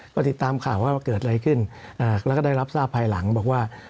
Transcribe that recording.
ก็ติดตามข่าวว่าเกิดอะไรขึ้นแล้วก็ได้รับทราบภายหลังบอกว่า